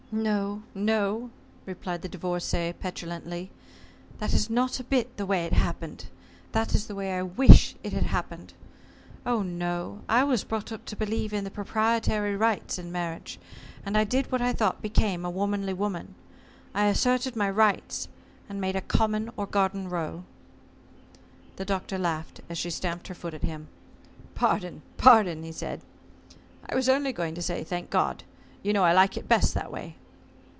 "No, no," replied the Divorcée, petulantly. "That is not a bit the way it happened. That is the way I wish it had happened. Oh, no. I was brought up to believe in the proprietary rights in marriage, and I did what I thought became a womanly woman. I asserted my rights, and made a common or garden row." The Doctor laughed, as she stamped her foot at him. "Pardon pardon," said he. "I was only going to say 'Thank God.' You know I like it best that way."